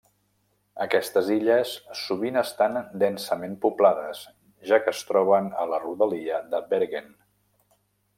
Aquestes illes sovint estan densament poblades, ja que es troben a la rodalia de Bergen.